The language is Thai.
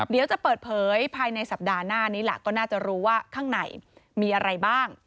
เดี๋ยวจะเปิดเผยภายในสัปดาห์หน้านี้ล่ะก็น่าจะรู้ว่าข้างในมีอะไรบ้าง